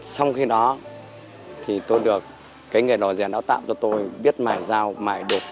sau khi đó thì tôi được cái nghề lò rèn đã tạo cho tôi biết mải rào mải đột